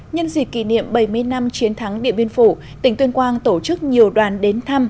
nhân dịp kỷ niệm bảy mươi năm chiến thắng điện biên phủ tỉnh tuyên quang tổ chức nhiều đoàn đến thăm